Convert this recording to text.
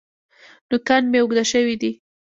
نوکان مي اوږده شوي دي .